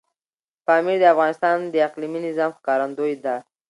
پامیر د افغانستان د اقلیمي نظام ښکارندوی ده.